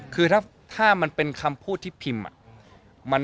คือถ้ามันเป็นคำพูดที่พิมพ์